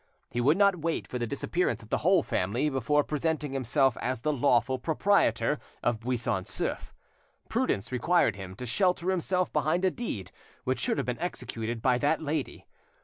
He would not wait for the disappearance of the whole family before presenting himself as the lawful proprietor, of Buisson Souef. Prudence required him to shelter himself behind a deed which should have been executed by that lady.